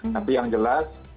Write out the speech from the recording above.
tapi yang jelas